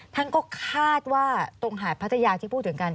ท่านก็คาดว่าตรงหาดพัทยาที่พูดถึงกัน